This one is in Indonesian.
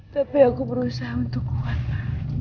tapi aku berusaha untuk kuat